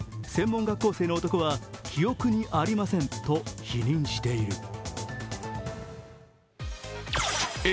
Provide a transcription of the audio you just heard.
専門学校生の男は記憶にありませんと否認している。